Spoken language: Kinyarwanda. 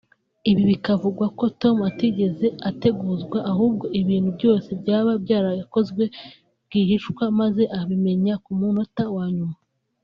Ibi bikavugwa ko Tom atigeze ateguzwa ahubwo ibintu byose byaba byarakozwe rwihishwa maze abimenya ku munota wa nyuma